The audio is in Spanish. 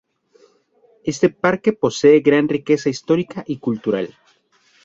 Este parque posee una gran riqueza histórica y cultural.